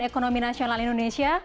ekonomi nasional indonesia